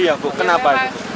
iya bu kenapa